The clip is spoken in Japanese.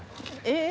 え。